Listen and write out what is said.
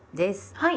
はい。